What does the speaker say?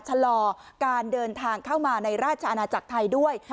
ชะลอการเดินทางเข้ามาในราชอาณาจักรไทยด้วย